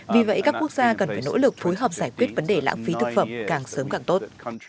vì vậy các quốc gia cần phải nỗ lực phối hợp giải quyết vấn đề lãng phí thực phẩm càng sớm càng tốt